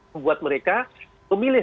membuat mereka memilih